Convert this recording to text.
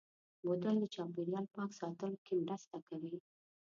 بوتل د چاپېریال پاک ساتلو کې مرسته کوي.